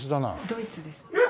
ドイツです。